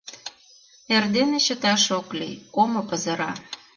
Эрдене чыташ ок лий — омо пызыра.